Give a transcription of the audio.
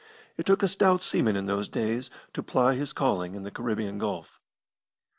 It took a stout seaman in those days to ply his calling in the Caribbean Gulf.